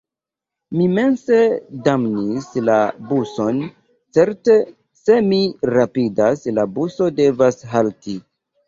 Mi mense damnis la buson: certe, se mi rapidas – la buso devas halti.